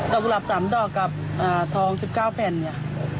กุหลับ๓ดอกกับทอง๑๙แผ่นเนี่ย